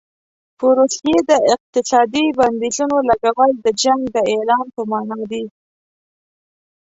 په روسیې د اقتصادي بندیزونو لګول د جنګ د اعلان په معنا دي.